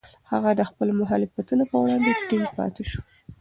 هغه د خپلو مخالفتونو په وړاندې ټینګ پاتې شو.